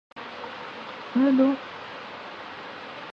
Afterwards Remismund became king and reunited the Suevic people.